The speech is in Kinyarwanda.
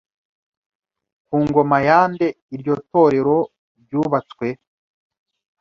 Ku ngoma ya nde iryo torero ryubatswe?